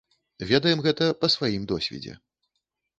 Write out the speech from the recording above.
Ведаем гэта па сваім досведзе.